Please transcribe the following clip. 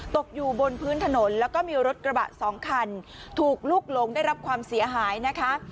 ตกอยู่บนพื้นถนนแล้วก็มีรถกระบะสองคันถูกลุกหลงได้รับความเสียหายนะคะ